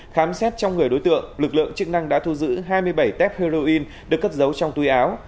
khám xét trong người đối tượng lực lượng chức năng đã thu giữ hai mươi bảy tép heroin được cất giấu trong túi áo